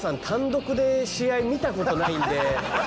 単独で試合見たことないんで。